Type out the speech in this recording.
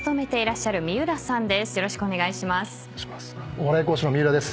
お笑い講師の三浦です。